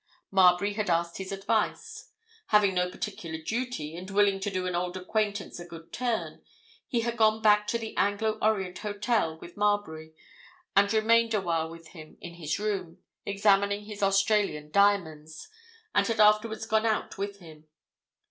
Marbury had asked his advice. Having no particular duty, and willing to do an old acquaintance a good turn, he had gone back to the Anglo Orient Hotel with Marbury, had remained awhile with him in his room, examining his Australian diamonds, and had afterwards gone out with him.